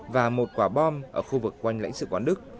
và một quả bom ở khu vực quanh lãnh sự quán đức